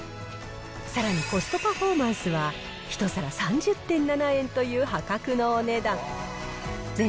さらにコストパフォーマンスは、１皿３０．７円という破格のお値段。